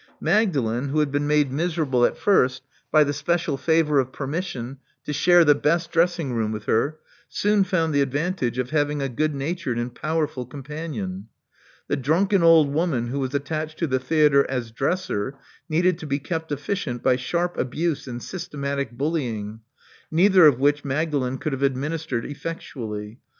Magdalen, who had been made miserable at first by the special favor of permission to share the best dressing room with her, soon found the advantage of having a good natured and powerful companion. The drunken old woman who was attached to the theatre as dresser, needed to be kept efficient by sharp abuse and systematic bullying, neither of which Mag dalen could have administered effectually.